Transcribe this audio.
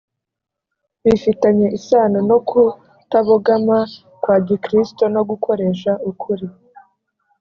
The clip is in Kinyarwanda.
bifitanye isano no kutabogama kwa gikristo no gukoresha ukuri